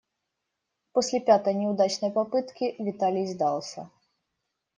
После пятой неудачной попытки Виталий сдался.